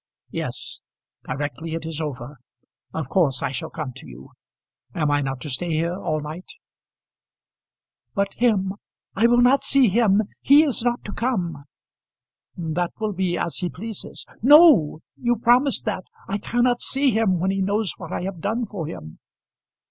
"Yes; directly it is over. Of course I shall come to you. Am I not to stay here all night?" "But him; I will not see him. He is not to come." "That will be as he pleases." "No. You promised that. I cannot see him when he knows what I have done for him."